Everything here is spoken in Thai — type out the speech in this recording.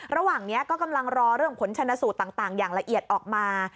ระหว่างนี้ก็กำลังรอเรื่องผลชนสูตรต่างอย่างละเอียดออกมา